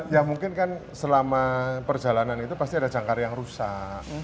ya mungkin kan selama perjalanan itu pasti ada jangkar yang rusak